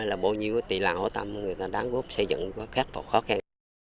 là bao nhiêu tỷ lạng hỗ tâm người ta đáng góp xây dựng khắc phục khó khăn